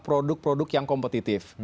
produk produk yang kompetitif